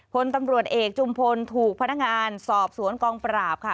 พลตำรวจเอกจุมพลถูกพนักงานสอบสวนกองปราบค่ะ